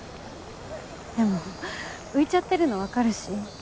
でも浮いちゃってるの分かるし。